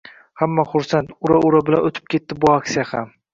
Hamma xursand, ura-ura bilan o‘tib ketdi bu aksiya ham.